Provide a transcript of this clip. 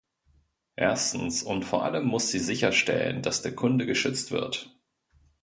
Erstens und vor allem muss sie sicherstellen, dass der Kunde geschützt wird.